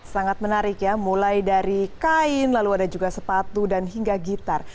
sangat menarik ya mulai dari kain lalu ada juga sepatu dan hingga gitar